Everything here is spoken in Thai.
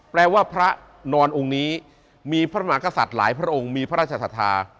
แปลว่าพระนอนองค์นี้มีพระมหากษัตริย์หลายพระองค์มีพระราชศรัทธา